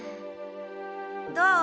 どう？